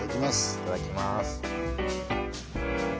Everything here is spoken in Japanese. いただきます